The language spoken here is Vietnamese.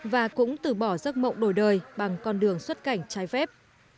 và cũng từ bỏ giấc mộng đổi đời bằng con đường xuất cảnh trái phép